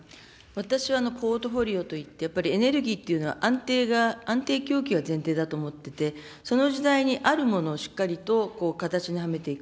私は、ポートフォリオといって、エネルギーというのは安定が、安定供給が前提だと思ってて、その時代にあるものをしっかりと形にはめていく。